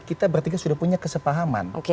kita bertiga sudah punya kesepahaman